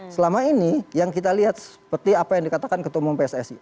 selama ini yang kita lihat seperti apa yang dikatakan ketua umum pssi